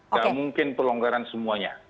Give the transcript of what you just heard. gak mungkin pelonggaran semuanya